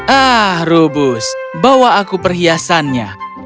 ah rubus bawa aku perhiasannya